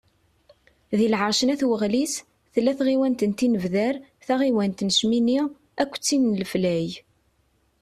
Deg lεerc n At Waɣlis, tella tɣiwant n Tinebdar, taɣiwant n Cmini, akked tin n Leflay.